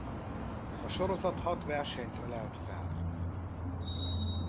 A sorozat hat versenyt ölelt fel.